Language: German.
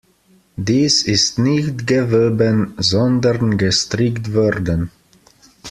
Dies ist nicht gewoben, sondern gestrickt worden.